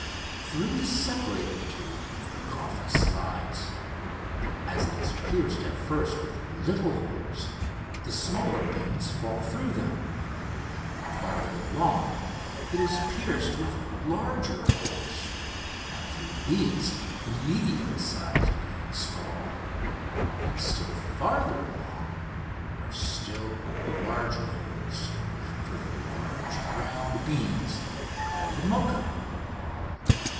Through the separator tube the coffee slides. As it is pierced at first with little holes the smaller beans fall through them. Farther along it is pierced with larger holes, and through these the medium sized beans fall, and still farther along are still larger holes, for the large round beans called "Moka."